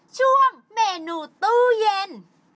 ช่วงเมนูตู้เย็น